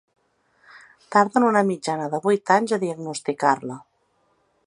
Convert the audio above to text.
Tarden una mitjana de vuit anys a diagnosticar-la.